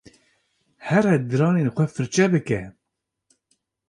Here diranên xwe firçe bike.